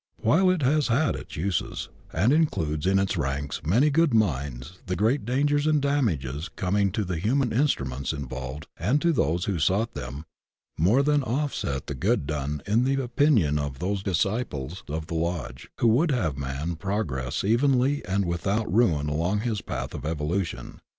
While it has had its uses, and includes in its ranks many good minds, the great dangers and damages coming to the human instruments involved and to those who sought them more than off set the good done in the opinion of those disciples of the Lodge who would have man progress evenly and without ruin along his path of evolution.